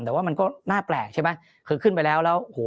แต่ว่ามันก็น่าแปลกใช่ไหมคือขึ้นไปแล้วแล้วโอ้โห